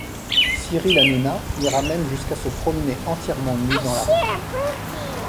Cyril Hanouna ira même jusqu'à se promener entièrement nu dans la rue.